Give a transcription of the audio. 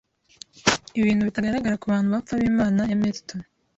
"Ibintu bitagaragara ku bantu bapfa bimana ya Milton